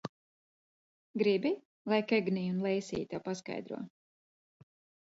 Gribi, lai Kegnija un Leisija tev paskaidro?